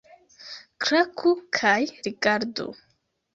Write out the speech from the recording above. Klaku kaj rigardu!